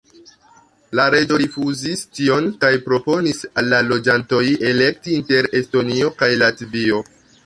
La reĝo rifuzis tion kaj proponis al la loĝantoj elekti inter Estonio kaj Latvio.